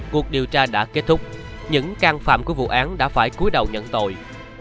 cuộc điều tra đã kết thúc những can phạm của vụ án đã phải cuối đầu nhận tội